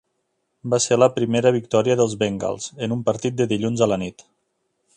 Va ser la primera victòria dels Bengals en un partit de dilluns a la nit.